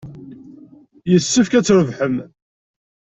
Yessefk ad trebḥem.